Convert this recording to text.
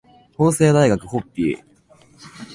法政大学ホッピー